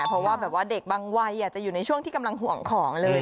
เพราะว่าแบบว่าเด็กบางวัยจะอยู่ในช่วงที่กำลังห่วงของเลย